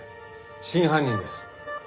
真犯人です。